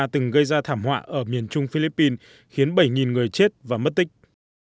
từng gây ra thảm họa ở miền trung philippines khiến bảy người chết và mất tích